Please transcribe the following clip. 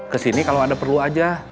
kesini kalau anda perlu aja